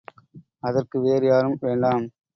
அதற்கு வேறு யாரும் வேண்டாம்.